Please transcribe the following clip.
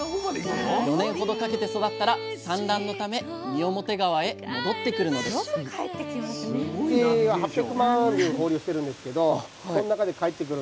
４年ほどかけて育ったら産卵のため三面川へ戻ってくるのです時は江戸時代中期。